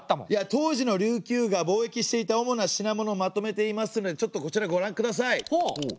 当時の琉球が貿易していた主な品物をまとめていますのでちょっとこちらご覧ください。